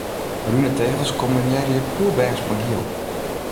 Brune tegels kombinearje poerbêst mei giel.